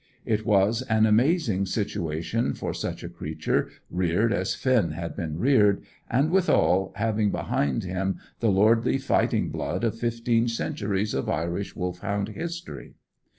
It was an amazing situation for such a creature, reared as Finn had been reared, and, withal, having behind him the lordly fighting blood of fifteen centuries of Irish Wolfhound history.